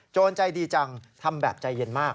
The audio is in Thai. ใจดีจังทำแบบใจเย็นมาก